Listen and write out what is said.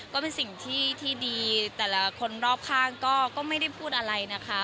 ก็เป็นสิ่งที่ดีแต่ละคนรอบข้างก็ไม่ได้พูดอะไรนะคะ